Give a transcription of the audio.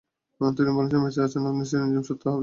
তিনি বলবেন, বেঁচে আছেন আপনি চিরঞ্জীব সত্তা, যাঁর মৃত্যু নেই।